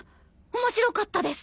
面白かったです！